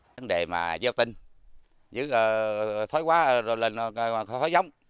vấn đề mà gieo tinh giữ thói quá lên thói giống